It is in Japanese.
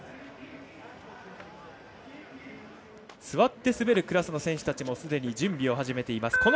座って滑るクラスの選手たちもすでに準備を始めています。